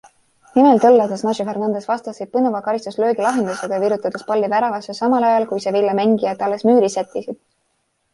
Nimelt üllatas Nacho Fernandez vastaseid põneva karistuslöögilahendusega, virutades palli väravasse samal ajal, kui Sevilla mängijad alles müüri sättisid.